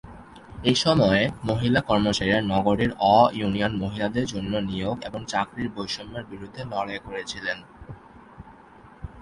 এই সময়ে, মহিলা কর্মচারীরা নগরীর অ-ইউনিয়ন মহিলাদের জন্য নিয়োগ এবং চাকরির বৈষম্যের বিরুদ্ধে লড়াই করেছিলেন।